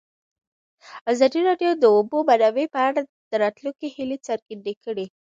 ازادي راډیو د د اوبو منابع په اړه د راتلونکي هیلې څرګندې کړې.